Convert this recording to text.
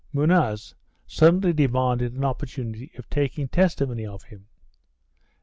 Munoz suddenly demanded an opportunity of taking testimony of him.